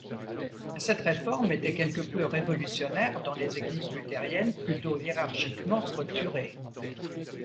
Cette réforme était quelque peu révolutionnaire dans les églises luthériennes plutôt hiérarchiquement structurées.